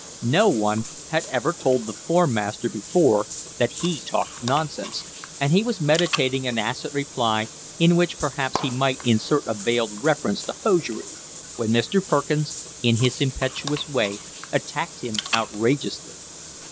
No one had ever told the form master before that he talked nonsense, and he was meditating an acid reply, in which perhaps he might insert a veiled reference to hosiery, when Mr. Perkins in his impetuous way attacked him outrageously.